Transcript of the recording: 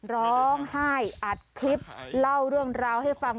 ร้องไห้อัดคลิปเล่าเรื่องราวให้ฟัง